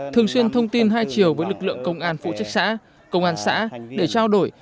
thường xuyên thông tin hai chiều với lực lượng công an phụ trách xã công an xã để trao đổi